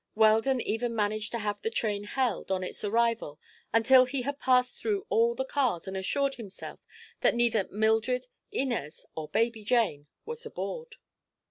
Weldon even managed to have the train held, on its arrival, until he had passed through all the cars and assured himself that neither Mildred, Inez or baby Jane was aboard.